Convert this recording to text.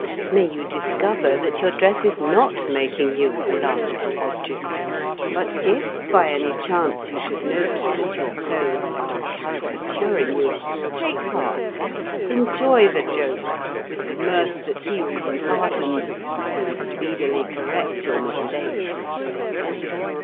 May you discover that your dress is not making you a laughable object; but if, by any chance, you should note that your clothes are caricaturing you, take heart. Enjoy the joke with the mirth that heals and heartens, and speedily correct your mistakes.